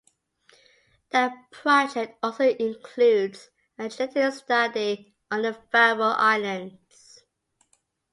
The project also includes a genetic study on the Faroe Islands.